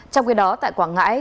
trong khi đó tại quảng ngãi